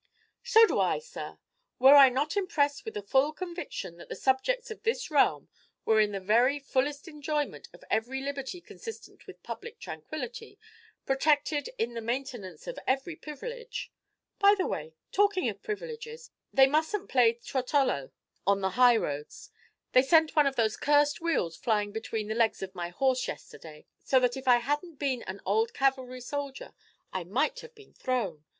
"So do I, sir. Were I not impressed with the full conviction that the subjects of this realm were in the very fullest enjoyment of every liberty consistent with public tranquillity, protected in the maintenance of every privilege By the way, talking of privileges, they must n't play 'Trottolo' on the high roads; they sent one of those cursed wheels flying between the legs of my horse yesterday, so that if I had n't been an old cavalry soldier, I must have been thrown!